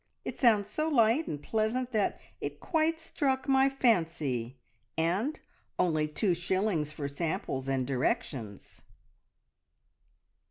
It sounds so light and pleasant that it quite struck my fancy; and only two shillings for samples and directions!"